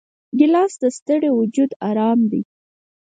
ګیلاس د ستړي وجود آرام دی.